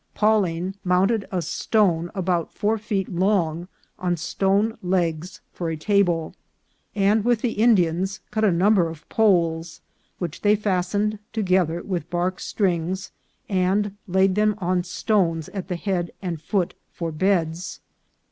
Paw ling mounted a stone about four feet long on stone legs for a table, and with the Indians cut a number of poles, which they fastened together with bark strings, and laid them on stones at the head and foot for beds.